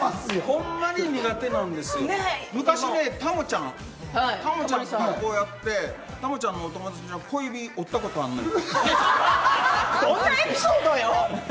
ホンマに苦手なんですよ、昔、タモちゃんがこうやって、タモちゃんのお友達が小指、折ったことあるのよ。